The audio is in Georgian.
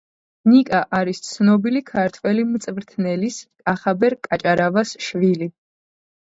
ნიკა არის ცნობილი ქართველი მწვრთნელის, კახაბერ კაჭარავას შვილი.